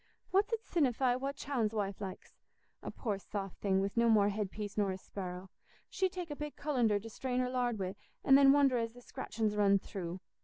"What's it sinnify what Chowne's wife likes? A poor soft thing, wi' no more head piece nor a sparrow. She'd take a big cullender to strain her lard wi', and then wonder as the scratchin's run through.